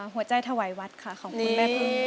ถวายวัดค่ะของคุณแม่พึ่ง